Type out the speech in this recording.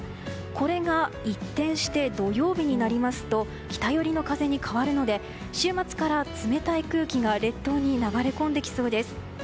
これが一転して土曜日になりますと北寄りの風に変わるので週末から冷たい空気が列島に流れ込んできそうです。